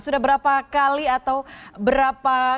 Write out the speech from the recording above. sudah berapa kali atau berapa